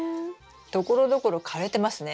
ところどころ枯れてますね。